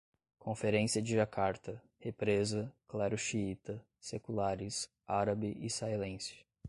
Conferência de Jacarta, represa, clero xiita, seculares, árabe-israelense